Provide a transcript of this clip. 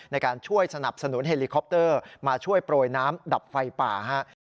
ในการช่วยสนับสนุนเฮลิคอปเตอร์มาช่วยโปรยน้ำดับไฟป่าครับ